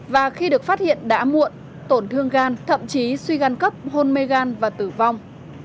và khi được phát hiện đã muộn tổn thương gan thậm chí suy gan cấp hôn mê gan và tử vong